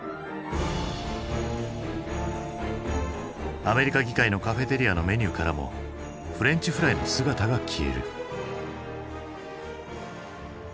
アメリカ議会のカフェテリアのメニューからもフレンチフライの姿が消える。